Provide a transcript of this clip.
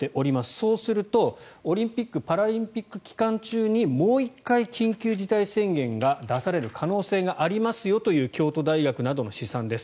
そうすると、オリンピック・パラリンピック期間中にもう１回、緊急事態宣言が出される可能性がありますよという京都大学などの試算です。